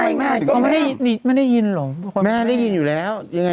ไม่ไม่ได้ยินไม่ได้ยินหรอแม่ได้ยินอยู่แล้วยังไง